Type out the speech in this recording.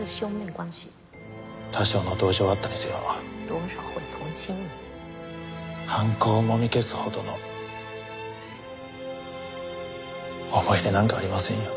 多少の同情はあったにせよ犯行をもみ消すほどの思い入れなんかありませんよ。